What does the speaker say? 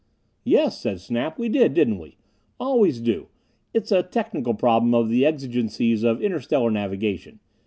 "Yes," said Snap. "We did, didn't we? Always do it's a technical problem of the exigencies of interstellar navigation.